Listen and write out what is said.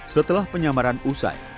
setelah penyamaran selesai